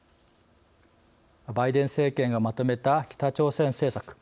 バイデン政権がまとめた北朝鮮政策